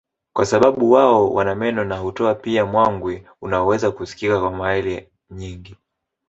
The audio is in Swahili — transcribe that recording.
kwa sababu wao wana meno na hutoa pia mwangwi unaoweza kusikika kwa maili nyingi